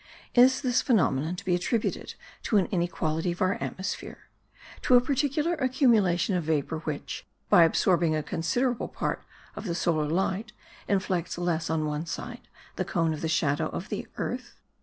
Is this phenomenon to be attributed to an inequality of our atmosphere; to a partial accumulation of vapour which, by absorbing a considerable part of the solar light, inflects less on one side the cone of the shadow of the earth?